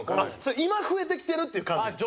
今増えてきてるっていう感じです。